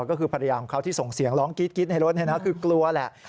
ก็คือภรรยาของเขาที่ส่งเสียงร้องกรี๊ดในรถคือกลัวแหละ